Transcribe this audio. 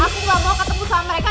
aku gak mau ketemu sama mereka